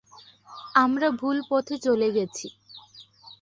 আমরা ভুল পথে চলে গেছি!